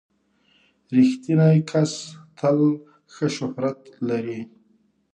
• رښتینی کس تل ښه شهرت لري.